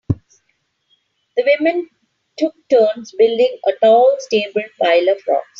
The women took turns building a tall stable pile of rocks.